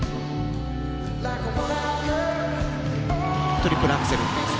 トリプルアクセル。